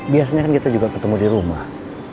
biasanya kan kita juga ketemu di rumah